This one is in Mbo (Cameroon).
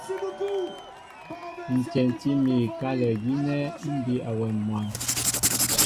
Tyɛntí mi kálɛ gínɛ́ mbí awɛm mwǎn.